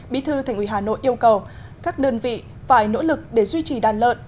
bí thư thành ủy hà nội yêu cầu các đơn vị phải nỗ lực để duy trì đàn lợn